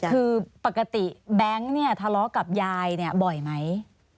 คือปกติแบงค์เนี่ยทะเลาะกับยายเนี่ยบ่อยไหม